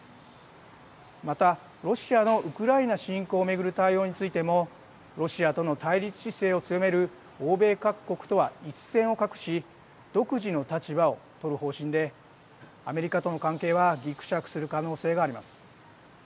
また、ロシアのウクライナ侵攻を巡る対応についてもロシアとの対立姿勢を強める欧米各国とは一線を画し独自の立場を取る方針でアメリカとの関係はぎくしゃくする可能性があります。